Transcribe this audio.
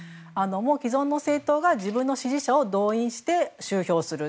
既存の政党が自分の支持者を動員して集票する。